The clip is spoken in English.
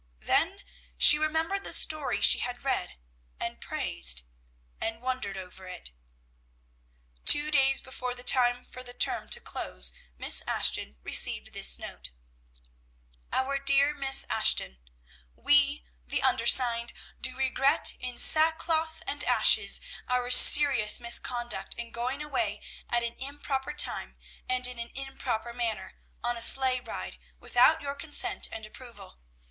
Then she remembered the story she had read and praised, and wondered over it. Two days before the time for the term to close, Miss Ashton received this note: OUR DEAR MISS ASHTON, We, the undersigned, do regret in sackcloth and ashes our serious misconduct in going away at an improper time, and in an improper manner, on a sleigh ride, without your consent and approval.